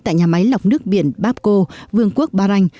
tại nhà máy lọc nước biển babco vương quốc ba ranh